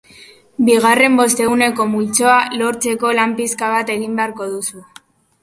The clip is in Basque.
Bigarren bostehuneko multzoa lortzeko lan pixka bat egin beharko duzu.